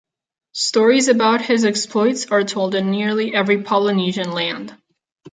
Stories about his exploits are told in nearly every Polynesian land.